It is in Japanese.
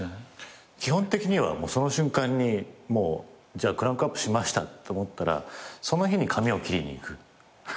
基本的にはその瞬間にクランクアップしましたって思ったらその日に髪を切りに行く。